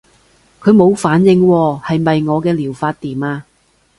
佢冇反應喎，係咪我嘅療法掂啊？